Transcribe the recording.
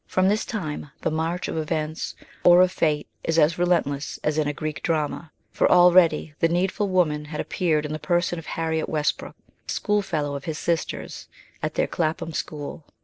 Prom this time the march of events or of fate is as relentless as in a Greek drama, for already the needful woman had appeared in the person of Harriet Westbrook, a schoolfellow of his sisters at their Clapham school.